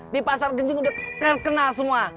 di pasar genjung udah terkenal semua